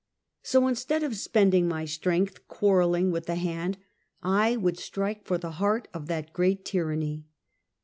So, instead of spending my strength quarreling with the hand, I would strike for the heart of that great tyranny.